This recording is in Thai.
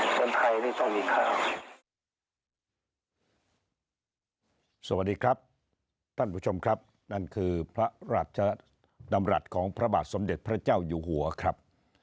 สวัสดีครับท่านผู้ชมครับนั่นคือพระราชดำรัฐของพระบาทสมเด็จพระเจ้าอยู่หัวครับ